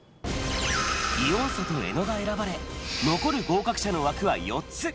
イ・ヨンソと江野が選ばれ、残る合格者の枠は４つ。